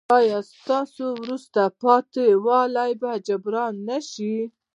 ایا ستاسو وروسته پاتې والی به جبران نه شي؟